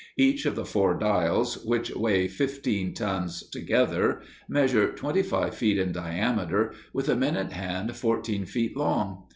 Each of the four dials, which weigh fifteen tons together, measure twenty five feet in diameter, with a minute hand fourteen feet long.